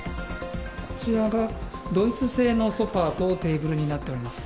こちらがドイツ製のソファとテーブルになっております。